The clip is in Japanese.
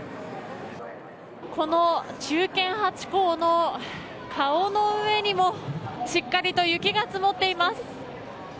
この忠犬ハチ公の顔の上にもしっかりと雪が積もっています。